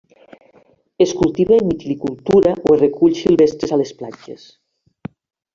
Es cultiva en mitilicultura o es recull silvestres a les platges.